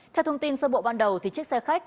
theo thông tin sơ bộ ban đầu chiếc xe khách